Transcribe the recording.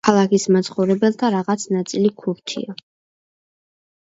ქალაქის მაცხოვრებელთა რაღაც ნაწილი ქურთია.